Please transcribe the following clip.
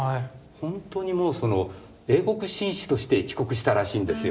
ほんとにもうその英国紳士として帰国したらしいんですよ。